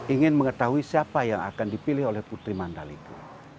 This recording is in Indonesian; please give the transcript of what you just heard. ingin mengetahui siapa yang akan dipilih oleh putri mandalika